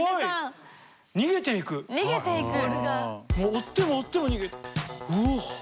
追っても追っても逃げて。